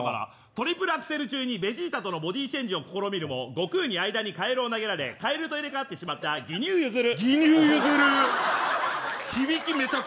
トリプルアクセル中にベジータとのボディチェンジを試みるも悟空にカエルを投げられ合体してしまったギニュー結弦。